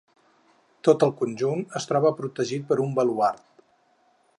Tot el conjunt es troba protegit per un baluard.